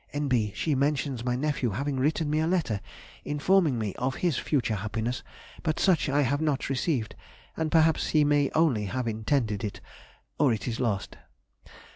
N.B.—She mentions my nephew having written me a letter informing me of his future happiness, but such I have not received, and perhaps he may only have intended it, or it is lost....